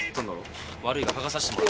悪いがはがさせてもらうぞ。